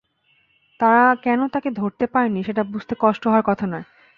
তাঁরা কেন তাঁকে ধরতে পারেননি, সেটা বুঝতে কষ্ট হওয়ার কথা নয়।